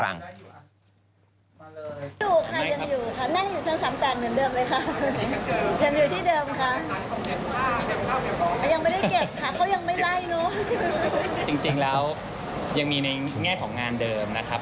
จริงแล้วยังมีในแง่ของงานเดิมนะครับ